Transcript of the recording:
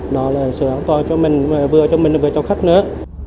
nó là sự an toàn cho mình vừa cho mình vừa cho khách nữa